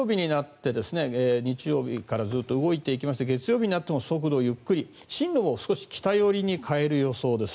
日曜日からずっと動いていきまして月曜日になっても速度はゆっくり進路を少し北寄りに変える予想です。